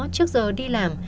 trước giờ đi làm